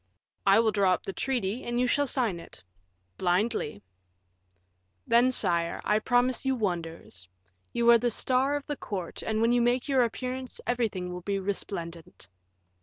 "I will draw up the treaty, and you shall sign it." "Blindly." "Then, sire, I promise you wonders; you are the star of the court, and when you make your appearance, everything will be resplendent."